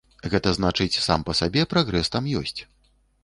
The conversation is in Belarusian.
Гэта значыць сам па сабе прагрэс там ёсць.